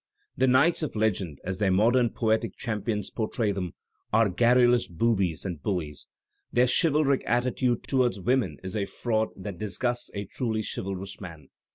The knights of legend, as their modem poetic champions portray them, are garrulous boobies and bulUes. Their chivalric attitude toward women is a fraud that disgusts a truly chivalrous man.